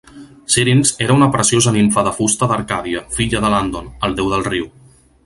Syrinx era una preciosa nimfa de fusta d'Arcàdia, filla de Landon, el déu del riu.